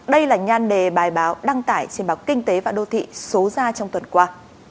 đây là nhan đề bài báo đăng tải trên báo kinh tế và đô thị số ra trong tuần qua